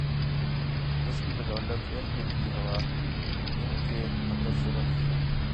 جس کی بدولت ارد گرد کی ہوا ان کے اندر صرف